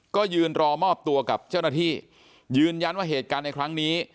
ก็ยืนรอมอบตัวกับเจ้าหน้าที่ยืนยันว่าเหตุการณ์ในครั้งนี้